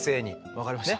分かりました。